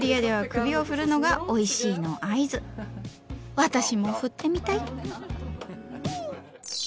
私も振ってみたい！